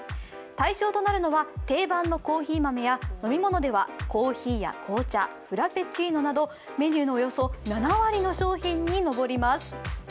対象となるのは定番のコーヒー豆や、飲み物ではコーヒーや紅茶、フラぺチーノなどメニューのおよそ７割の商品に上ります。